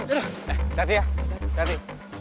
eh dati ya dati